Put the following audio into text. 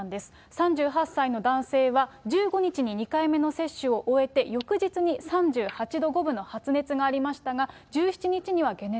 ３８歳の男性は、１５日に２回目の接種を終えて、翌日に３８度５分の発熱がありましたが、１７日には解熱。